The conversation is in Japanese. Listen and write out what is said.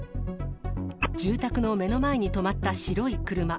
住宅の目の前に止まった白い車。